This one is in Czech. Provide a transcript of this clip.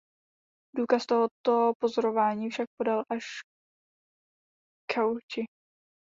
Důkaz tohoto pozorování však podal až Cauchy.